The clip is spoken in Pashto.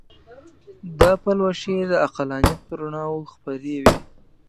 دا پلوشې د عقلانیت پر رڼاوو خپرې وې.